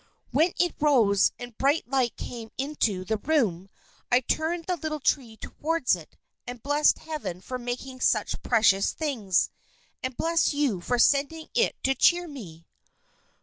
"When it rose, and bright light came into the room, I turned the little tree towards it, and blessed Heaven for making such precious things, and blessed you for sending it to cheer me."